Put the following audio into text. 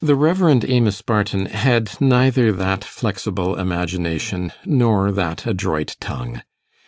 The Rev. Amos Barton had neither that flexible imagination, nor that adroit tongue.